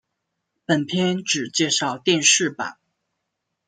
本篇只介绍电视版。